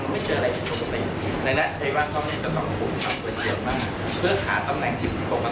เสียงขนาดนี้เข้าภาพอีกถึงเมื่อจะเสียงโรงต่าง